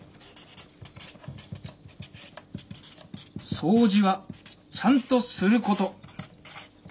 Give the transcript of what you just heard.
そうじはちゃんとすること！